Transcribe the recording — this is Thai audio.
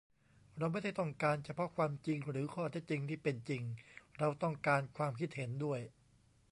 เราไม่ได้ต้องการเฉพาะความจริงหรือข้อเท็จจริงที่เป็นจริง เราต้องการความคิดเห็นด้วย